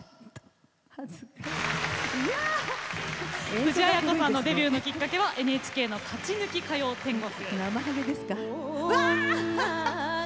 藤あや子さんのデビューのきっかけはＮＨＫの「勝ち抜き歌謡天国」です。